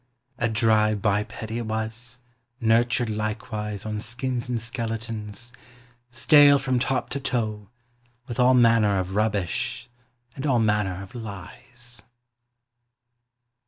A dry biped he was, nurtured likewise On skins and skeletons, stale from top to toe With all manner of rubbish and all manner of lies.